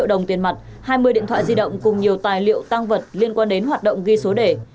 hai mươi điện thoại di động cùng nhiều tài liệu tăng vật liên quan đến hoạt động ghi số đề